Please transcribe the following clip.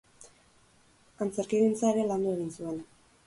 Antzerkigintza ere landu egin zuen.